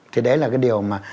thì đấy là cái điều mà